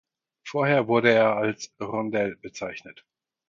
Vorher wurde er als "Rondell" bezeichnet.